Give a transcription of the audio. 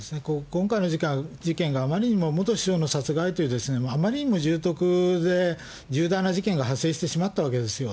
今回の事件があまりにも元首相の殺害ということで、あまりにも重篤で重大な事件が発生してしまったわけですよ。